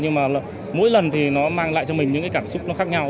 nhưng mà mỗi lần thì nó mang lại cho mình những cái cảm xúc nó khác nhau